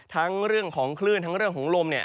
ทั้งเรื่องของคลื่นทั้งเรื่องของลมเนี่ย